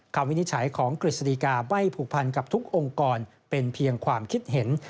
วินิจฉัยของกฤษฎีกาไม่ผูกพันกับทุกองค์กรเป็นเพียงความคิดเห็น